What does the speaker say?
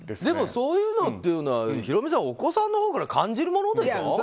でも、そういうのっていうのはヒロミさんお子さんのほうから感じるものでしょ。